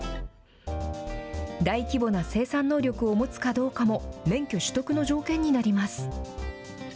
大規模な生産能力を持つかどうかも免許取得の条件になります。